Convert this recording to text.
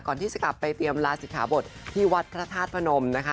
ก่อนที่จะกลับไปเตรียมลาศิกขาบทที่วัดพระธาตุพนมนะคะ